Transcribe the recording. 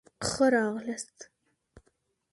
ښه راغلاست.